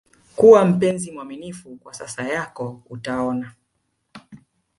kuwa mpenzi mwaminifu kwa sasa yako utaona